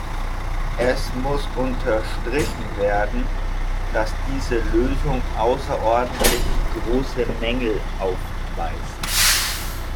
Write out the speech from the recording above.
Es muss unterstrichen werden, dass diese Lösung außerordentlich große Mängel aufweist.